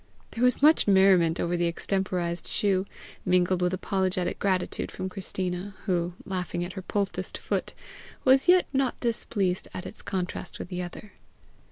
There was much merriment over the extemporized shoe, mingled with apologetic gratitude from Christina, who, laughing at her poulticed foot, was yet not displeased at its contrast with the other.